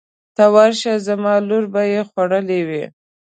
ته ورشه زما لور به یې خوړلې وي.